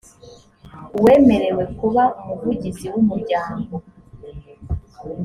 uwemerewe kuba umuvugizi w umuryango